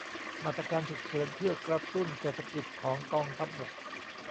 มาตรการฉุกเฉินเพื่อกระตุ้นเศรษฐกิจของกองทัพบก